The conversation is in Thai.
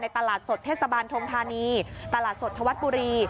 ตลาดสดเทศบาลทงธานีตลาดสดธวัฒน์บุรี